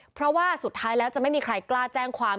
เพราะว่าสุดท้ายแล้วจะไม่มีใครกล้าแจ้งความ